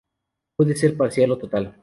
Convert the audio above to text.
Puede ser parcial o total.